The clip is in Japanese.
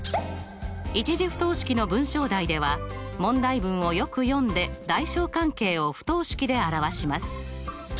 １次不等式の文章題では問題文をよく読んで大小関係を不等式で表します。